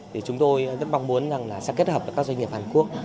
thì chúng tôi rất mong muốn sẽ kết hợp với các doanh nghiệp hàn quốc